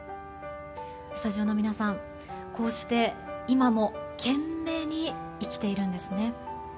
スタジオの皆さんこうして今も懸命に生きているんですね。